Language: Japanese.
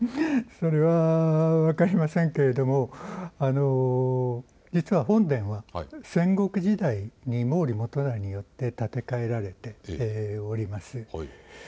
それは分かりませんけれども、実は本殿は戦国時代に毛利元就によって建て替えられております。